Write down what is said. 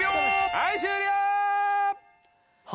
はい終了！は？